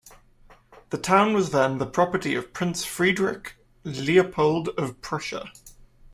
The town was then the property of Prince Friedrich Leopold of Prussia.